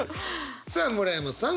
さあ村山さん